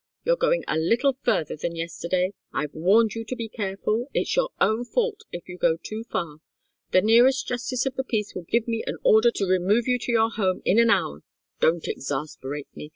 You're going a little further than yesterday. I've warned you to be careful. It's your own fault if you go too far. The nearest Justice of the Peace will give me an order to remove you to your home in an hour. Don't exasperate me!